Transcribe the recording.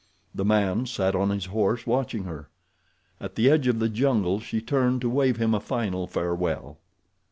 The man sat on his horse watching her. At the edge of the jungle she turned to wave him a final farewell.